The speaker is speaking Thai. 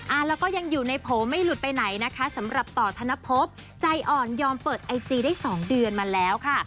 แล้วก็ยังอยู่ในโผล่ไม่หลุดไปไหนนะคะสำหรับต่อธนภพใจอ่อนยอมเปิดไอจีได้สองเดือนมาแล้วค่ะ